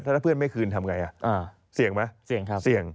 ถ้าเพื่อนไม่คืนทำไงเสี่ยงไหมเสี่ยงครับเสี่ยง